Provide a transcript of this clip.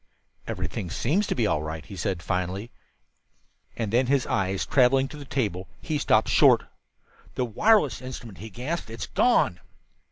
"Everything seems to be all right," he said finally; and then, his eyes traveling to the table, he stopped short. "The wireless instrument," he gasped. "It's gone!"